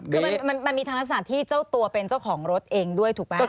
คือมันมีทางลักษณะที่เจ้าตัวเป็นเจ้าของรถเองด้วยถูกไหม